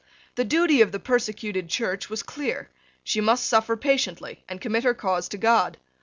The duty of the persecuted Church was clear: she must suffer patiently, and commit her cause to God.